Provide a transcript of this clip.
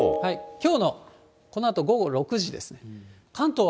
きょうの、このあと午後６時です。